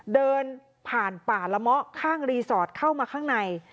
เดินผ่านป่าละเมาะข้างรีสอร์ทเข้ามาข้างใน